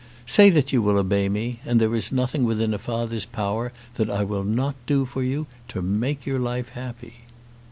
Say that you will obey me, and there is nothing within a father's power that I will not do for you, to make your life happy."